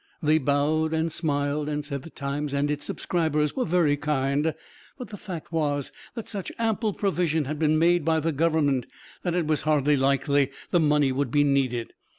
They bowed and smiled and said the Times and its subscribers were very kind, but the fact was that such ample provision had been made by the Government that it was hardly likely the money would be needed.